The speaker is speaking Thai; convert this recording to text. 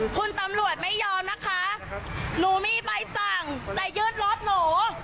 คุณตำรวจไม่ยอมนะคะหนูมีใบสั่งแต่ยึดรถหนู